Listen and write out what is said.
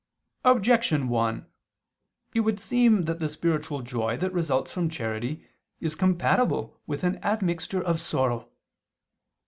Objection 1: It would seem that the spiritual joy that results from charity is compatible with an admixture of sorrow.